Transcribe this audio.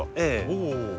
おお。